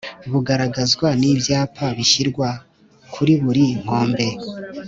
bugaragazwa nibyapa bishyirwa kuri buri nkombe